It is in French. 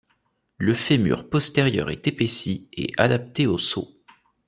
Le fémur postérieur est épaissi et adapté aux sauts.